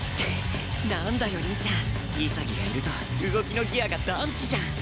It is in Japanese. なんだよ凛ちゃん潔がいると動きのギアがダンチじゃん。